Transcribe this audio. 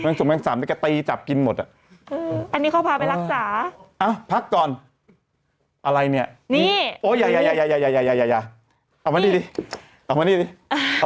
นั่นอ่าปรากฎกับอย่างเงี้ยอือ